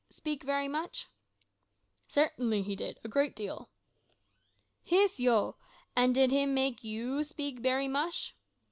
speak bery mush?" "Certainly he did, a good deal." "Yis, ho! An' did him make you speak bery mush?"